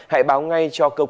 hãy báo ngay cho cơ quan an